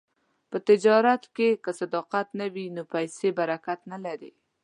په تجارت کې که صداقت نه وي، نو پیسې برکت نه لري.